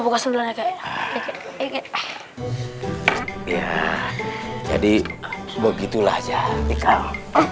buka sebenarnya kayaknya jadi begitulah jadi kau